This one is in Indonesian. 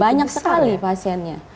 banyak sekali pasiennya